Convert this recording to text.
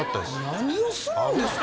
何をするんですか？